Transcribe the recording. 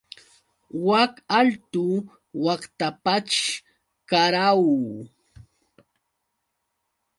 Wak altu waqtapaćhr, ¡karahu!